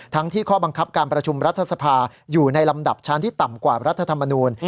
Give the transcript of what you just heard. ที่ข้อบังคับการประชุมรัฐสภาอยู่ในลำดับชั้นที่ต่ำกว่ารัฐธรรมนูล